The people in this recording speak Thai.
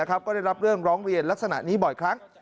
ก็ได้รับเรื่องร้องเรียนลักษณะนี้บ่อยครั้ง